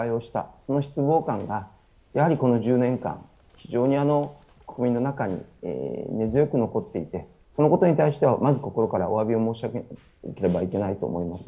その失望感が、やはりこの１０年間非常に国民の中に根強く残っていてそのことに対しては、まず心からおわびを申し上げなければいけないと思います。